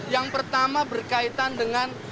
yang pertama berkaitan dengan